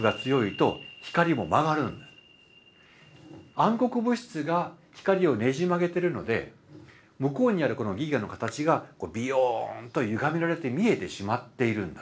暗黒物質が光をねじ曲げてるので向こうにある銀河の形がビヨーンとゆがめられて見えてしまっているんだと。